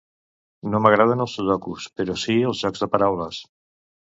No m'agraden els sudokus, però sí els jocs de paraules.